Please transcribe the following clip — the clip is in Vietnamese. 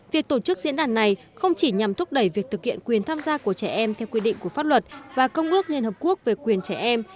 việc tổ chức diễn đàn này không chỉ nhằm thúc đẩy việc thực hiện quyền tham gia của trẻ em theo quy định của pháp luật và công ước liên hợp quốc về quyền trẻ em